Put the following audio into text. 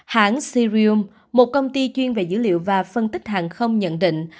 hãng sirium một công ty chuyên về dữ liệu và phân tích hàng không nhận định